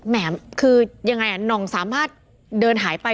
แหมคือยังไงหน่องสามารถเดินหายไป